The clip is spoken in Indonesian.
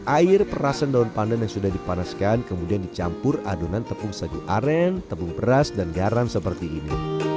air perasan daun pandan yang sudah dipanaskan kemudian dicampur adonan tepung sagu aren tepung beras dan garam seperti ini